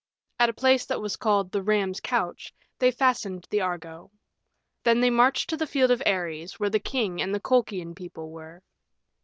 At a place that was called "The Ram's Couch" they fastened the Argo. Then they marched to the field of Ares, where the king and the Colchian people were.